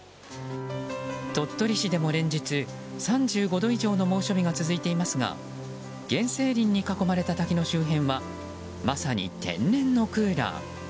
鳥取市でも連日３５度以上の猛暑日が続いていますが原生林に囲まれた滝の周辺はまさに天然のクーラー。